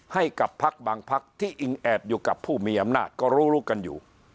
ให้กับพักบางพักที่อิงแอบอยู่กับผู้มีอำนาจก็รู้รู้กันอยู่